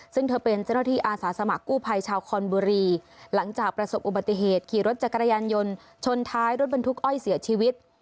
ซึ่งเธอเป็นเจ้าหน้าที่อาสาสมัครกู้ภัยชาวคอนบุรีหลังจากประสบอุบัติเหตุขี่รถจักรยานยนต์ชนท้ายรถบรรทุกอ้อยเสียชีวิต